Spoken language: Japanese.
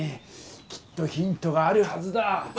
きっとヒントがあるはずだ。